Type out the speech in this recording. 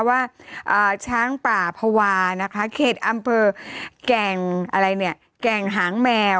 ว่าช้างป่าภาวะนะคะเขตอำเภอแก่งอะไรเนี่ยแก่งหางแมว